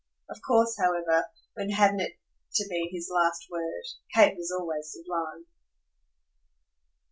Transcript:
Of course, however when hadn't it to be his last word? Kate was always sublime.